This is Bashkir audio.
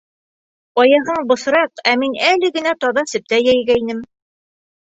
Аяғың бысраҡ, ә мин әле генә таҙа септә йәйгәйнем.